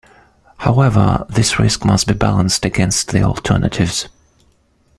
However, this risk must be balanced against the alternatives.